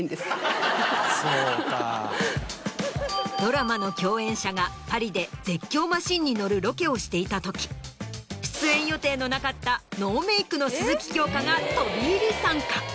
ドラマの共演者がパリで絶叫マシンに乗るロケをしていたとき出演予定のなかったノーメイクの鈴木京香が飛び入り参加。